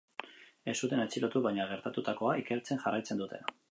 Ez zuten atxilotu, baina gertatutakoa ikertzen jarraitzen dute.